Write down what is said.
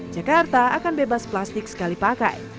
jakarta akan bebas plastik sekali pakai